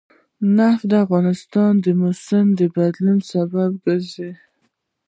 نفت د افغانستان د موسم د بدلون سبب کېږي.